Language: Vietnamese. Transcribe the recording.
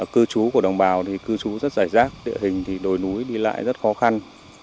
cư trú của đồng bào thì cư trú rất giải rác địa hình thì đồi núi đi lại rất khó khăn